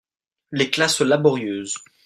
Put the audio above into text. Les classes laborieuses